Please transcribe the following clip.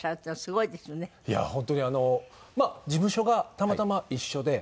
いや本当にあのまあ事務所がたまたま一緒で。